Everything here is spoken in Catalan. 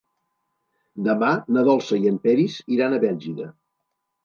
Demà na Dolça i en Peris iran a Bèlgida.